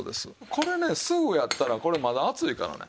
これねすぐやったらこれまだ熱いからね。